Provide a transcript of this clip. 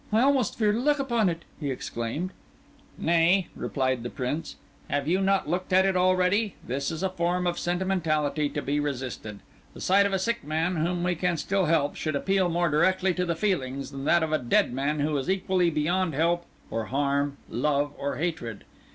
"I almost fear to look upon it," he exclaimed. "Nay," replied the Prince, "have you not looked at it already? This is a form of sentimentality to be resisted. The sight of a sick man, whom we can still help, should appeal more directly to the feelings than that of a dead man who is equally beyond help or harm, love or hatred.